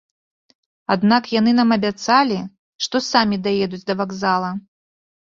Аднак яны нам абяцалі, што самі даедуць да вакзала.